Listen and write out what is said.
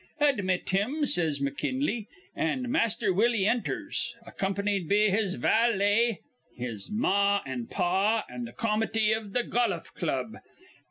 'Admit him,' says McKinley; an' Master Willie enters, accompanied be his val lay, his mah an' pah an' th' comity iv th' goluf club.